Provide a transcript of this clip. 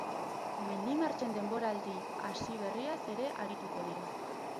Mendi martxen denboraldi hasi berriaz ere arituko dira.